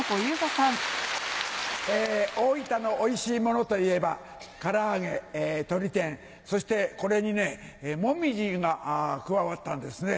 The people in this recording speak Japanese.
大分のおいしいものといえば唐揚げとり天そしてこれにね「もみじ」が加わったんですね。